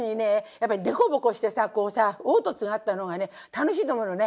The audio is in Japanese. やっぱり凸凹してさこうさ凹凸があった方がね楽しいと思うのね。